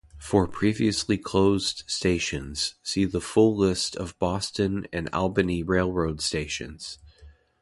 For previously closed stations, see the full list of Boston and Albany Railroad stations.